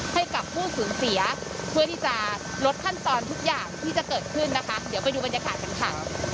ให้กับผู้สูญเสียเพื่อที่จะลดขั้นตอนทุกอย่างที่จะเกิดขึ้นนะคะเดี๋ยวไปดูบรรยากาศกันค่ะ